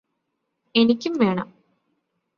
എനിക്കും വേണം